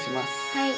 はい。